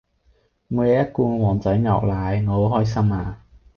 每日一罐旺仔牛奶我好開心啊